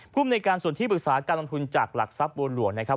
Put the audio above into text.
ภูมิในการส่วนที่ปรึกษาการลงทุนจากหลักทรัพย์บัวหลวงนะครับ